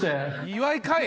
岩井かい！